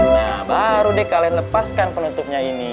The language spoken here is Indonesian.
nah baru deh kalian lepaskan penutupnya ini